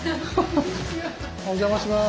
お邪魔します。